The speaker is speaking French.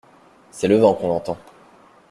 C’est le vent qu’on entend.